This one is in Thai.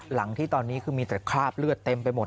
หลังที่ตอนนี้คือมีแต่คราบเลือดเต็มไปหมด